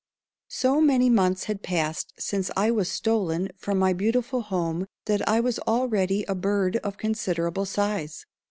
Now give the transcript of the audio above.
So many months had passed since I was stolen from my beautiful home that I was already a bird of considerable size.